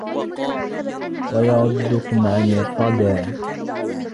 وَيَرُدُّكُمْ عَنْ الرَّدَى